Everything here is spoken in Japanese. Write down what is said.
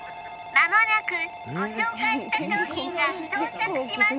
間もなくご紹介した商品が到着します